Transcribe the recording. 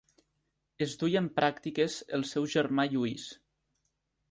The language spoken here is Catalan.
Es duia en pràctiques el seu germà Lluís.